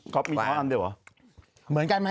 คลอปมีช้อนอันเดียวเหรอหรอเหมือนกันไหมแห๊ะ